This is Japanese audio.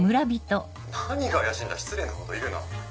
何が怪しいんだ失礼なこと言うな。